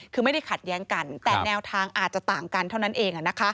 คือไม่ได้ขัดแย้งกันแต่แนวทางอาจจะต่างกันเท่านั้นเอง